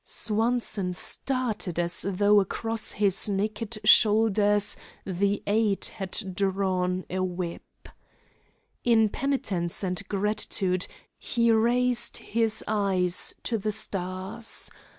Swanson started as though across his naked shoulders the aide had drawn a whip. In penitence and gratitude he raised his eyes to the stars.